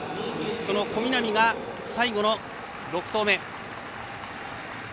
その小南が最後の６投目。